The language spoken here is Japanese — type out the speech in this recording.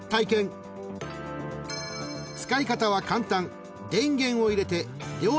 ［使い方は簡単］